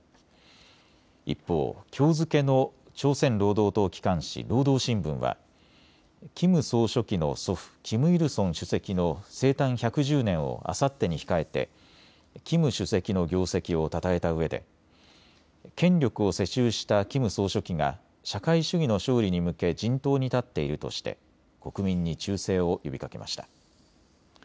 一方、きょう付けの朝鮮労働党機関紙、労働新聞はキム総書記の祖父、キム・イルソン主席の生誕１１０年をあさってに控えてキム主席の業績をたたえたうえで権力を世襲したキム総書記が社会主義の勝利に向け陣頭に立っているとして国民に忠誠を呼びかけました。